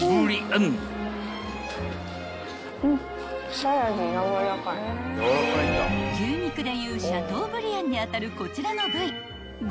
［牛肉でいうシャトーブリアンに当たるこちらの部位］